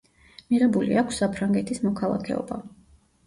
მიღებული აქვს საფრანგეთის მოქალაქეობა.